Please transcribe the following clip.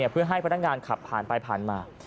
เพื่อให้พนักงานขับผ่านไปผ่านมา